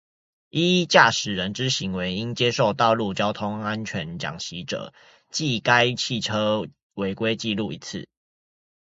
一、駕駛人之行為應接受道路交通安全講習者，記該汽車違規紀錄一次。